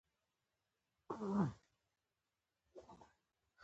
پیسې مي په کور کې پرېښولې .